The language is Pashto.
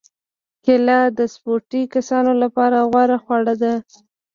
کېله د سپورتي کسانو لپاره غوره خواړه ده.